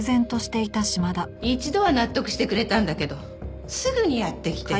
一度は納得してくれたんだけどすぐにやって来て。